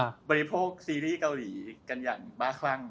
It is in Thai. บริโภคซีรีส์เกาหลีกันอย่างบ้าคลั่ง